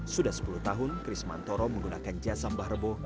sudah sepuluh tahun chris mantoro menggunakan jasa mbah rebo